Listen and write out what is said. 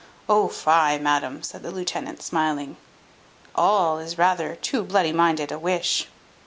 "O fie, madam!" said the lieutenant, smiling; "all is rather too bloody minded a wish."